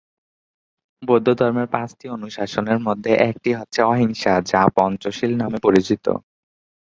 বৌদ্ধধর্মের পাঁচটি অনুশাসনের মধ্যে একটি হচ্ছে অহিংসা যা পঞ্চশীল নামে পরিচিত।